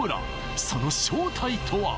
その正体とは？